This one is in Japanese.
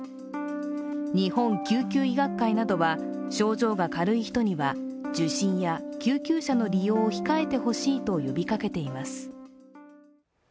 日本救急医学会などは、症状が軽い人には受診や救急車の利用を控えてほしいと呼びかけています。